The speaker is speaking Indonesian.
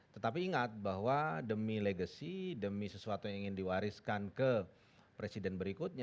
tetapi ingat bahwa demi legacy demi sesuatu yang ingin diwariskan ke presiden berikutnya